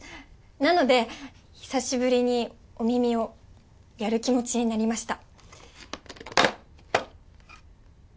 なので久しぶりに「お耳」をやる気持ちになりました。